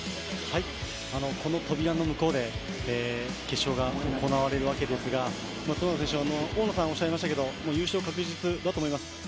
この扉の向こうで決勝が行われるわけですが、角田さん、大野さん、おっしゃいましたけど優勝確実だと思います。